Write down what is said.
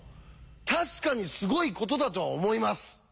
確かにすごいことだとは思います。